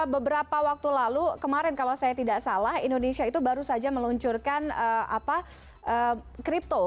beberapa waktu lalu kemarin kalau saya tidak salah indonesia itu baru saja meluncurkan crypto